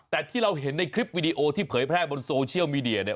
แต่ที่เราเห็นในคลิปวิดีโอที่เผยแพร่บนโซเชียลมีเดียเนี่ย